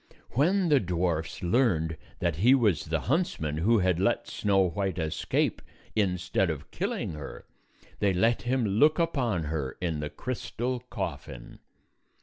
When the dwarfs learned that he was the huntsman who had let Snow White escape instead of killing her, they let him look upon her in the crystal coffin.